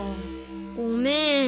ごめん。